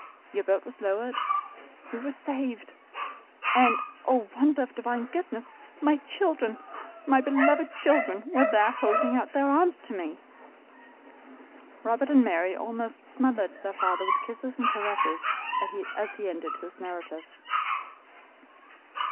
Your boat was lowered we were saved and, oh, wonder of Divine goodness, my children, my beloved children, were there holding out their arms to me!" Robert and Mary almost smothered their father with kisses and caresses as he ended his narrative.